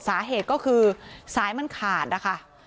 สาเหตุก็คือสายมันขาดนะคะ